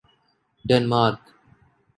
Denmark